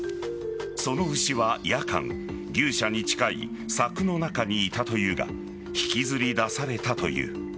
その牛は夜間牛舎に近い柵の中にいたというが引きずり出されたという。